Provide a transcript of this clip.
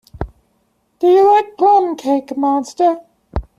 Do you like plum-cake, monster?